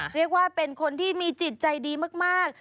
เรียกว่าเป็นคนที่มีจิตใจดีมาก